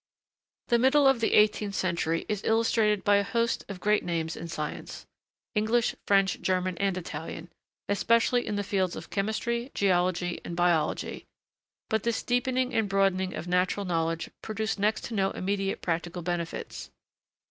The middle of the eighteenth century is illustrated by a host of great names in science English, French, German, and Italian especially in the fields of chemistry, geology, and biology; but this deepening and broadening of natural knowledge produced next to no immediate practical benefits.